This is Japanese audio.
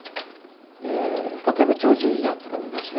例えば「鳥獣戯画」というのを見ますね。